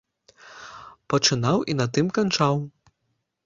Пачынаў і на тым канчаў.